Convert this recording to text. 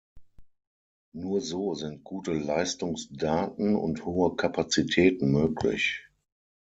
Nur so sind gute Leistungsdaten und hohe Kapazitäten möglich.